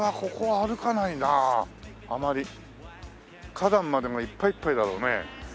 花壇までがいっぱいいっぱいだろうね。